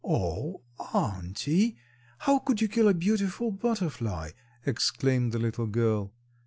"O, auntie, how could you kill a beautiful butterfly?" exclaimed the little girl.